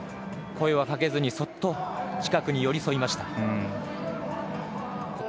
声はかけずに、そっと、近くに寄り添いました。